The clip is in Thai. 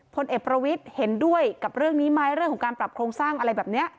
พลเอกประวิทย์เห็นด้วยกับเรื่องนี้ไหมเรื่องของการปรับโครงสร้างอะไรแบบนี้